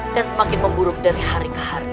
dan semakin memburuk dari hari ke hari